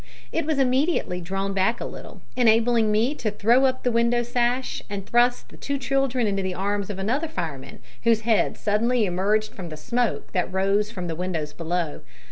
It was immediately drawn back a little, enabling me to throw up the window sash and thrust the two children into the arms of another fireman, whose head suddenly emerged from the smoke that rose from the windows below.